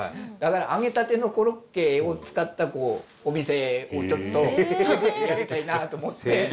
だから揚げたてのコロッケを使ったお店をちょっとやりたいなと思って。